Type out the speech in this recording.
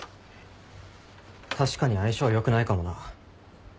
確かに相性は良くないかもな。